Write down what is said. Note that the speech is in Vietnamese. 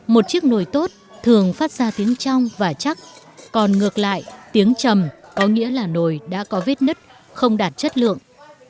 một chiếc nồi tốt thường phát ra tiếng trong và chắc còn ngược lại tiếng trầm có nghĩa là nồi đã có vết nứt không đạt chất lượng